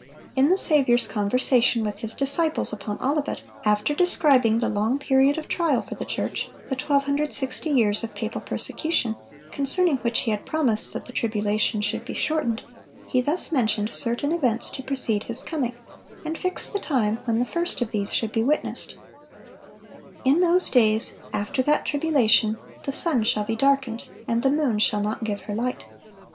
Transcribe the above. In the Saviour's conversation with His disciples upon Olivet, after describing the long period of trial for the church,—the 1260 years of papal persecution, concerning which He had promised that the tribulation should be shortened,—He thus mentioned certain events to precede His coming, and fixed the time when the first of these should be witnessed: "In those days, after that tribulation, the sun shall be darkened, and the moon shall not give her light."